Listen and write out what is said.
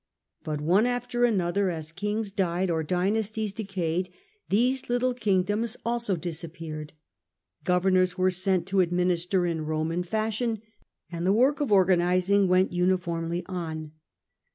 But one after another, as kings died or dynasties decayed, these little kingdoms also disappeared ; governors were sent to administer in Roman fashion, and the work of organizing went uniformly on.